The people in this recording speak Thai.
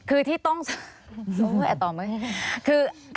คือที่ต้องอัตอมไหม